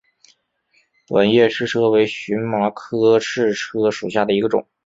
短叶赤车为荨麻科赤车属下的一个种。